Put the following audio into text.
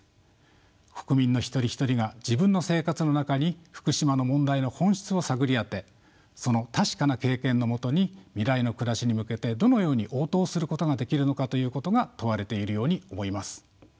国民の一人一人が自分の生活の中に福島の問題の本質を探り当てその確かな経験のもとに未来の暮らしに向けてどのように応答することができるのかということが問われているように思います。